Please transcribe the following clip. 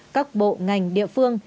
bốn các bộ ngành địa phương